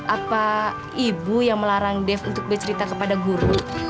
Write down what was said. apa ibu yang melarang dev untuk bercerita kepada guru